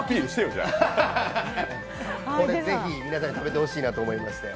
ぜひ皆さんに食べてほしいなと思いまして。